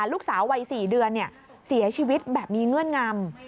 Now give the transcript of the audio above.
ลูกสาววัย๔เดือนเสียชีวิตแบบมีเงื่อนงำ